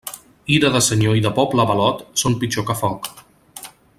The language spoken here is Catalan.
Ira de senyor i de poble avalot, són pitjor que foc.